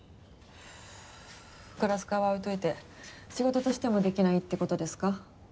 クラス会は置いといて仕事としてもできないって事ですか？